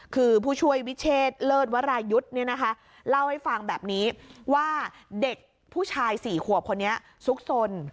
คือผู้ช่วยวิเชษเลิศวรายุทธ์เนี่ยนะคะเล่าให้ฟังแบบนี้ว่าเด็กผู้ชาย๔ขวบคนนี้ซุกสน